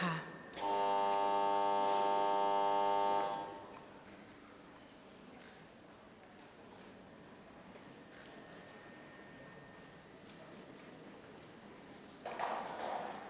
ออกรางวัลเลขหน้า๓ตัวครั้งที่๑ค่ะ